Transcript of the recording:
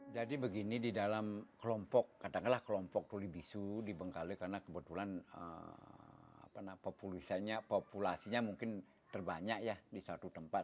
jadi begini di dalam kelompok katakanlah kelompok tuli bisu di bengkalo karena kebetulan populasinya mungkin terbanyak ya di satu tempat